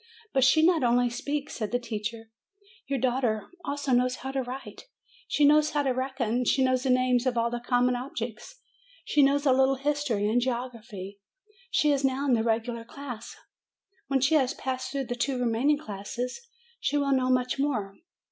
"But she not only speaks," said the teacher; "your daughter also knows how to write. She knows how to reckon. She knows the names of all common objects. She knows a little history and geography. She is now in the regular class. When she has passed through the two remaining classes, she will know much more.